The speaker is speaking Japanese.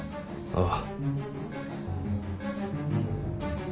ああ。